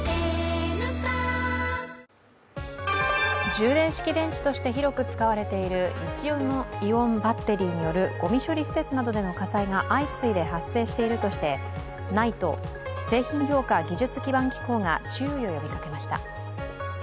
充電式電池として広く使われているリチウムイオンバッテリーによるごみ処理施設などでの火災が相次いで発生しているとしてＮＩＴＥ＝製品評価技術基盤機構が注意を呼びかけました。